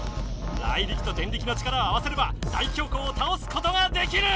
ライリキとデンリキの力を合わせれば大凶光をたおすことができる！